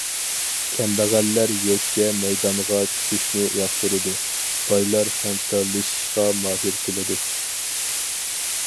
كەمبەغەللەر يەككە مەيدانغا چۈشۈشنى ياقتۇرىدۇ، بايلار ھەمكارلىشىشقا ماھىر كېلىدۇ.